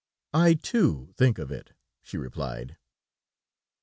"I, too, think of it," she replied.